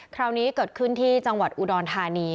คราวนี้เกิดขึ้นที่จังหวัดอุดรธานี